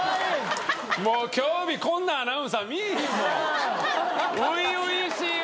もう今日びこんなアナウンサー見ぃひんもん。